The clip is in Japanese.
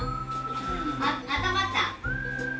あったまった？